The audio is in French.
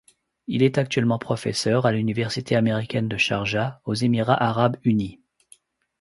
Il est actuellement professeur à l'université américaine de Charjah, aux Émirats arabes unis.